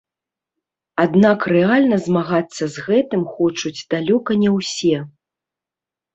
Аднак рэальна змагацца з гэтым хочуць далёка не ўсе.